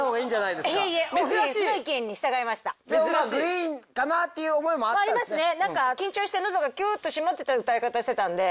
でもグリーンかなっていう思いもあったんですね？